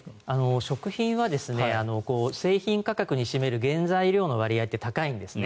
食品は製品価格に占める原材料の割合って高いんですね。